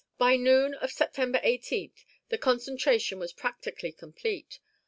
By noon of September 18th the concentration was practically complete.